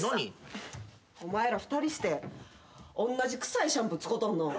お前ら２人しておんなじ臭いシャンプー使うとんのう。